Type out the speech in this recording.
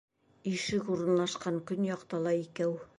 Ишек урынлашҡан көньяҡта ла икәү.